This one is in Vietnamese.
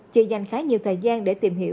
chỉ dành khá nhiều thời gian để tìm hiểu